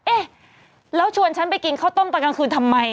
เอ๊ะแล้วชวนฉันไปกินข้าวต้มตอนกลางคืนทำไม